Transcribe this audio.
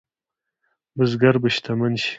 بزګر به شتمن شي؟